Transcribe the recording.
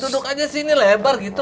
duduk aja sini lebar gitu